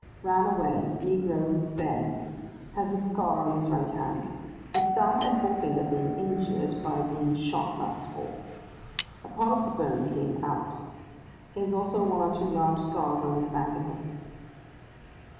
'Ran away, negro Ben. Has a scar on his right hand; his thumb and forefinger being injured by being shot last fall. A part of the bone came out. He has also one or two large scars on his back and hips.